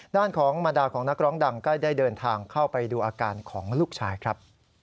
ด้านของบรรดาของนักร้องดังก็ได้เดินทางเข้าไปดูอาการของลูกชายครับ